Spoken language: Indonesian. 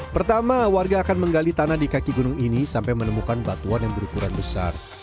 pertama warga akan menggali tanah di kaki gunung ini sampai menemukan batuan yang berukuran besar